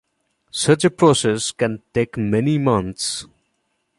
Such a process can take many months.